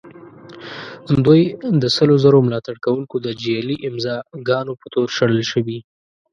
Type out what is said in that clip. دوی د سلو زرو ملاتړ کوونکو د جعلي امضاء ګانو په تور شړل شوي.